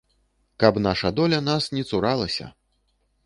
Каб наша доля нас не цуралася!